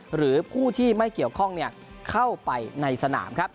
หรือผู้ที่ไม่เกี่ยวข้องเข้าไปในสนามครับ